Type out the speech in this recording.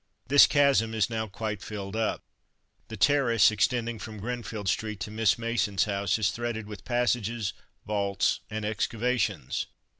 This chasm is now quite filled up. The terrace extending from Grinfield street to Miss Mason's house is threaded with passages, vaults, and excavations.